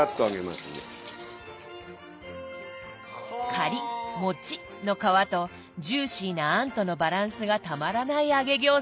カリッもちっの皮とジューシーな餡とのバランスがたまらない揚げ餃子です。